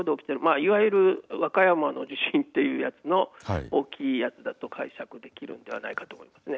いわゆる和歌山の地震というやつの大きいやつだと解釈できるんではないかと思いますね。